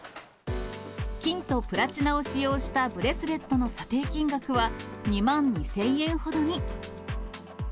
金とプラチナを使用したブレスレットの査定金額は、２万２０００円ほどに。